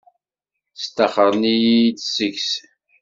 Staxren-iyi-d seg-s.